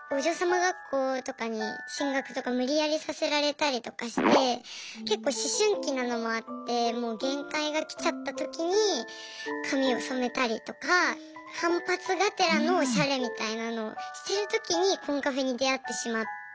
学校とかに進学とか無理やりさせられたりとかして結構思春期なのもあってもう限界が来ちゃった時に髪を染めたりとか反発がてらのオシャレみたいなのをしてる時にコンカフェに出会ってしまって。